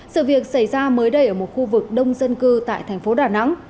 sự việc xảy ra mới đây ở một khu vực đông dân cư tại thành phố đà nẵng